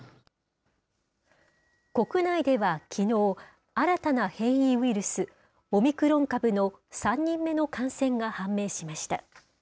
国内ではきのう、新たな変異ウイルス、オミクロン株の３人目の感染が判明しました。